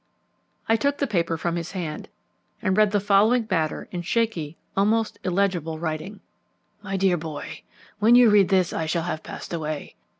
I took the paper from his hand and read the following matter in shaky, almost illegible writing: "My dear Boy, When you read this I shall have passed away.